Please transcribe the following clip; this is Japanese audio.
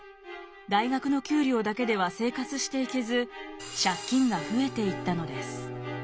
大学の給料だけでは生活していけず借金が増えていったのです。